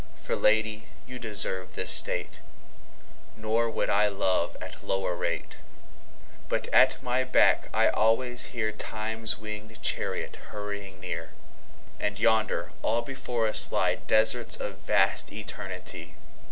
For Lady you deserve this State; Nor would I love at lower rate. But at my back I alwaies hearTimes winged Charriot hurrying near:And yonder all before us lyeDesarts of vast Eternity.